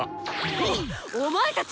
おっお前たち！